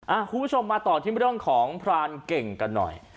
คุณผู้ชมมาต่อที่เรื่องของพรานเก่งกันหน่อย